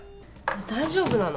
大丈夫なの？